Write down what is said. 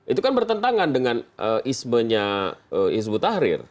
itu kan bertentangan dengan ismenya hizbut tahrir